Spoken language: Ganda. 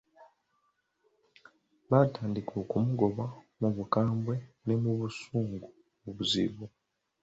Baatandika okumugoba mu bukambwe n'obusungu obuzibu!